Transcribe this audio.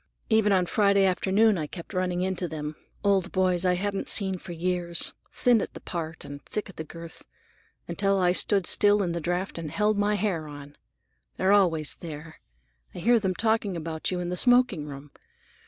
Even on Friday afternoon I kept running into them, old boys I hadn't seen for years, thin at the part and thick at the girth, until I stood still in the draft and held my hair on. They're always there; I hear them talking about you in the smoking room.